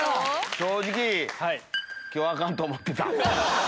正直今日アカンと思ってた。